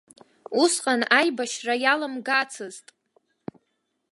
Усҟан аибашьра иаламгацызт.